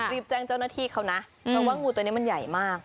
รีบแจ้งเจ้าหน้าที่เขานะเพราะว่างูตัวนี้มันใหญ่มาก